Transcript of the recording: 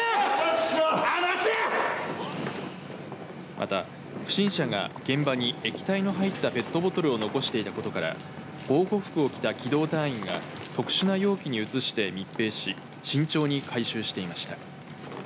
また、不審者が現場に液体の入ったペットボトルを残していることから防護服を着た機動隊員が特殊な容器に移して密閉し慎重に回収していました。